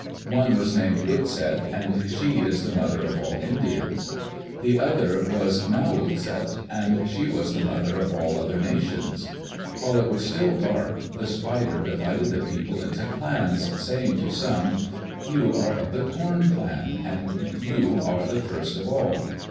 One was named Utset and she as the mother of all Indians. The other was Now utset, and she was the mother of all other nations. While it was still dark, the spider divided the people into clans, saying to some, "You are of the Corn clan, and you are the first of all."